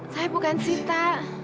saya bukan sita